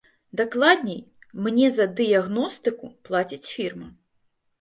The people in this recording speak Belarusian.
Дакладней, мне за дыягностыку плаціць фірма.